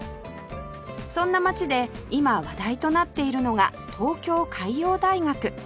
そんな街で今話題となっているのが東京海洋大学